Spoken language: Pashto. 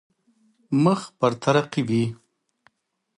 مخ پر ترقي وي.